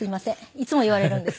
いつも言われるんです。